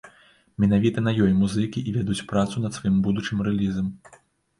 Менавіта на ёй музыкі і вядуць працу над сваім будучым рэлізам.